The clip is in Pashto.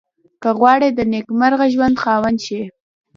که غواړئ د نېکمرغه ژوند خاوند شئ.